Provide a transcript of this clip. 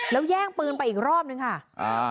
แล้วแย่งปืนไปอีกรอบนึงค่ะอ่า